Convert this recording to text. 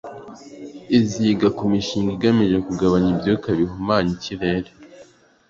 Iziga ku mishinga igamije kugabanya ibyuka bihumanya ikirere